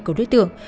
của đối tượng